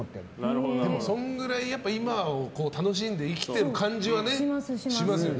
でもそれぐらい今を楽しんで生きている感じはしますね。